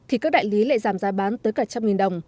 thì các đại lý lại giảm giá bán tới cả một trăm linh đồng